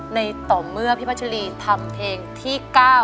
ในต่อเมื่อพี่พัชรีทำเพลงที่๙